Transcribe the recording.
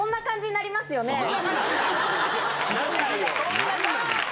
なんないよ！